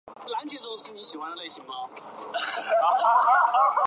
电动车是指使用电动机或牵引电动机推动而在路面上行驶的电动载具。